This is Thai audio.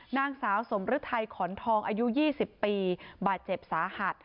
นางสาวสมฤทัยขอนทองอายุ๒๐ปีบาดเจ็บสาหัส